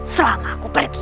selama aku pergi